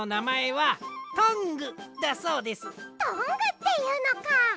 トングっていうのか！